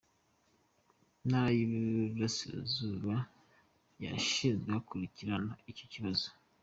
Intara y’i Burasirazuba yashinzwe gukurikirana icyo kibazo.